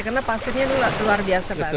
karena pasirnya luar biasa bagus